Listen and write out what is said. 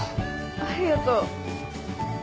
ありがとう。